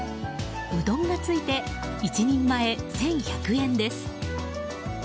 うどんがついて１人前１１００円です。